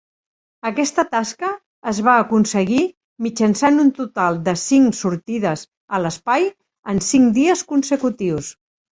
Aquesta tasca es va aconseguir mitjançant un total de cinc sortides a l'espai en cinc dies consecutius.